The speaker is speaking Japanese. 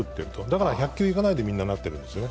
だから１００球いかないでみんななっているんですよ。